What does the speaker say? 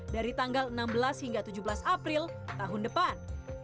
dari tanggal enam belas hingga tujuh belas april tahun depan